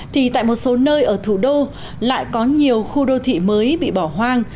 thì tại một số nơi ở thủ đô lại có nhiều khu đô thị mới bị bỏ hoang